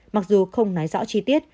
mặc dù không nói rõ chi tiết